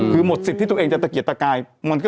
คือหมดสิทธิ์ที่ตัวเองจะตะเกียดตะกาย